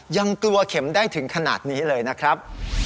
ยังกลัวเข็มได้ถึงขนาดนี้เลยนะครับ